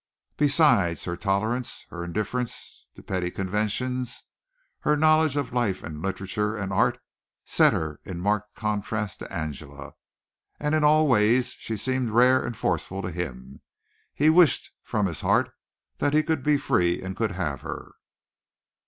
Besides, her tolerance, her indifference to petty conventions, her knowledge of life and literature and art set her in marked contrast to Angela, and in all ways she seemed rare and forceful to him. He wished from his heart that he could be free and could have her.